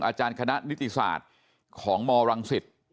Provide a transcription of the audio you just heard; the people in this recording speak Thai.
อาจารย์คณะนิติศาสตร์ของมรังสิต